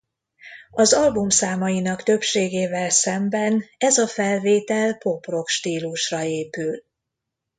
Az album számainak többségével szemben ez a felvétel pop-rock stílusra épül.